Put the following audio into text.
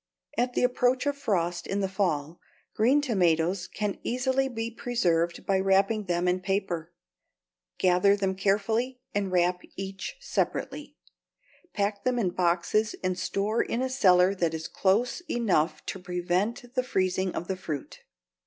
At the approach of frost in the fall, green tomatoes can easily be preserved by wrapping them in paper. Gather them carefully and wrap each separately. Pack them in boxes and store in a cellar that is close enough to prevent the freezing of the fruit.